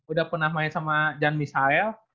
udah pernah main sama jan misael